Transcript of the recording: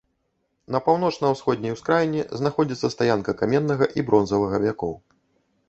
На паўночна-ўсходняй ускраіне знаходзіцца стаянка каменнага і бронзавага вякоў.